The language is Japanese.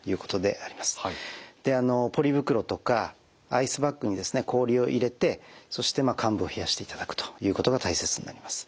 でポリ袋とかアイスバッグにですね氷を入れてそして患部を冷やしていただくということが大切になります。